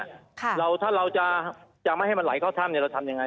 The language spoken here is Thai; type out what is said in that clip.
ค่ะเราถ้าเราจะจะไม่ให้มันไหลเข้าถ้ำเนี่ยเราทำยังไง